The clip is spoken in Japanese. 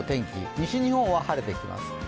西日本は晴れてきます。